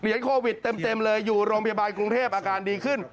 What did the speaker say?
โควิดเต็มเลยอยู่โรงพยาบาลกรุงเทพอาการดีขึ้น